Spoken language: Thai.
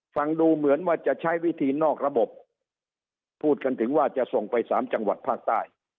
ฟังดูเหมือนว่าจะใช้วิธีนอกระบบพูดกันถึงว่าจะส่งไปสามจังหวัดภาคใต้